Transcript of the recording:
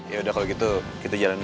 yaudah kalau gitu kita jalanin